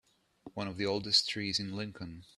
One of the oldest trees in Lincoln.